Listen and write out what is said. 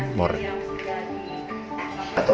ini adalah kemampuan yang diumbang moren